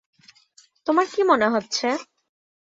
তোমার কী মনে হচ্ছে?